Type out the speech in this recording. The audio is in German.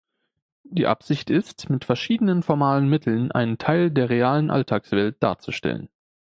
Die Absicht ist, mit verschiedenen formalen Mitteln einen Teil der realen Alltagswelt darzustellen.